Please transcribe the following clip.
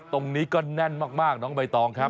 ตรงนี้ก็แน่นมากน้องใบตองครับ